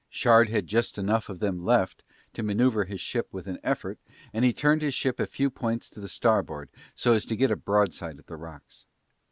Shard had just enough of them left to manoeuvre his ship with an effort and he turned his ship a few points to the starboard so as to get a broadside at the rocks.